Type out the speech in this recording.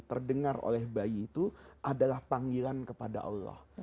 terdengar oleh bayi itu adalah panggilan kepada allah